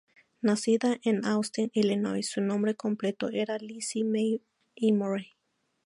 Nacida en Austin, Illinois, su nombre completo era Lizzie May Emory.